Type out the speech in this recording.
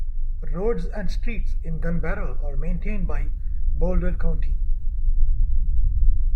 Roads and streets in Gunbarrel are maintained by Boulder County.